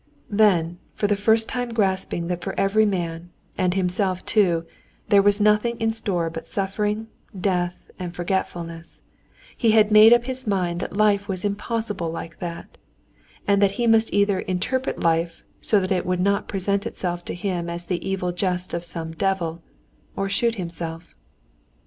Then, for the first time, grasping that for every man, and himself too, there was nothing in store but suffering, death, and forgetfulness, he had made up his mind that life was impossible like that, and that he must either interpret life so that it would not present itself to him as the evil jest of some devil, or shoot himself.